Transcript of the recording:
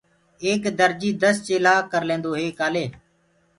ايڪ درجي دس چيلآ ڪرليندوئي ڪآلي